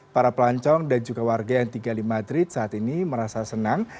para pelancong dan juga warga yang tinggal di madrid saat ini merasa senang